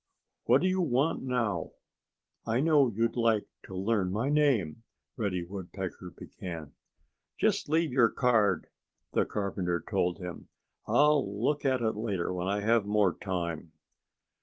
What do you want now?" "I know you'd like to learn my name," Reddy Woodpecker began. "Just leave your card!" the carpenter told him. "I'll look at it later when I have more time."